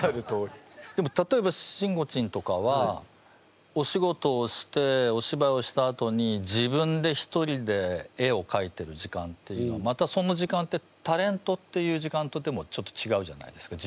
でも例えばしんごちんとかはお仕事をしておしばいをしたあとに自分で一人で絵をかいてる時間っていうのはまたその時間ってタレントっていう時間とでもちょっとちがうじゃないですか。